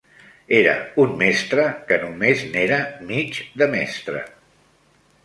Era un mestre que no més n'era mig de mestre.